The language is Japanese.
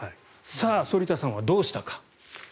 反田さんはどうしたか。